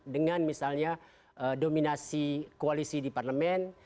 dengan misalnya dominasi koalisi di parlemen